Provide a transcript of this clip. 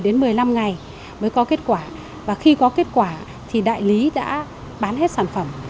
đến một mươi năm ngày mới có kết quả và khi có kết quả thì đại lý đã bán hết sản phẩm